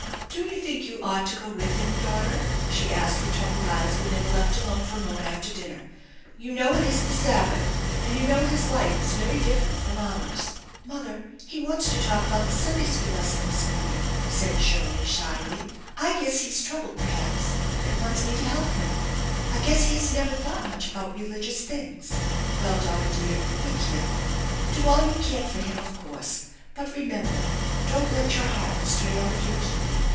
" Do you think you ought to go with him, daughter ?" she asked with troubled eyes, when they were left alone for a moment after dinner. "You know it is the Sabbath, and you know his life is very different from ours." THE ENCHANTED BARN 219 " Mother, he wants to talk about the Sunday School lesson this morning," said Shirley shyly. " I guess he is troubled, perhaps, and wants me to help him. I guess he has never thought much about religious things." " Well, daughter dear, be careful. Do all you can for him, of course, but remember, don't let your heart stray out of your keeping.